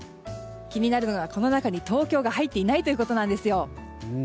気になるのがこの中に東京が入っていないということなんですよ。